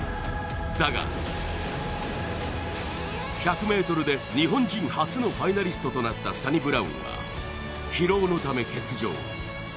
だが、１００ｍで日本人初のファイナリストとなったサニブラウンは疲労のため、欠場。